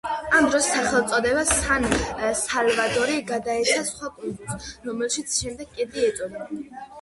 ამ დროს სახელწოდება „სან-სალვადორი“ გადაეცა სხვა კუნძულს, რომელსაც შემდეგ კეტი ეწოდა.